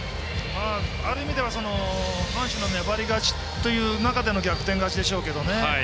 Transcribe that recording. ある意味では阪神の粘り勝ちという中での逆転勝ちでしょうけどね。